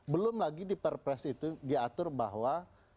belum lagi di perpres itu diatur bahwa